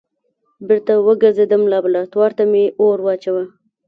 بېرته وګرځېدم لابراتوار ته مې اور واچوه.